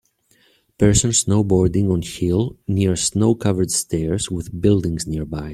Person snowboarding on hill near snow covered stairs with buildings nearby.